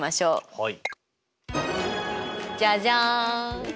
はい。